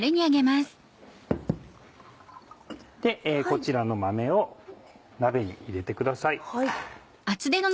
こちらの豆を鍋に入れてください。